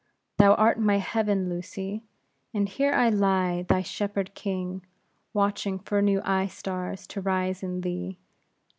"Thou art my heaven, Lucy; and here I lie thy shepherd king, watching for new eye stars to rise in thee.